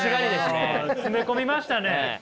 詰め込みましたね。